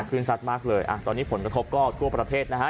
คลื่นสัดมากเลยตอนนี้ผลกระทบก็ทั่วประเทศนะฮะ